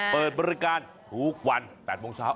เปิดบริการทุกวัน๘โมงเช้า